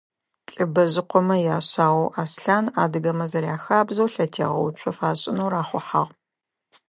ЛӀыбэжъыкъомэ яшъаоу Аслъан, адыгэмэ зэряхабзэу, лъэтегъэуцо фашӏынэу рахъухьагъ.